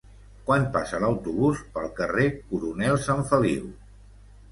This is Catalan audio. Quan passa l'autobús pel carrer Coronel Sanfeliu?